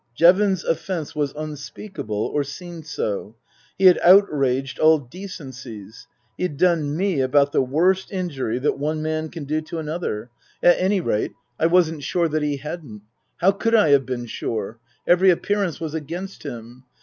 Jevons's offence was unspeakable, or seemed so. He had outraged all decencies. He had done me about the worst injury that one man can do to another at any rate, I Book I : My Book 65 wasn't sure that he hadn't. How could I have been sure ? Every appearance was against him.